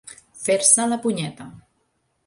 Fer-se la punyeta.